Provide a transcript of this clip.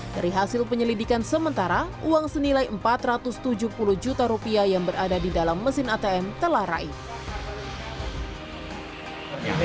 dari hasil penyelidikan sementara uang senilai empat ratus tujuh puluh juta rupiah yang berada di dalam mesin atm telah raih